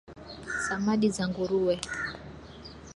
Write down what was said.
samadi za nguruwe